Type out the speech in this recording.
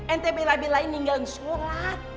ente bela belaini gak ngesolat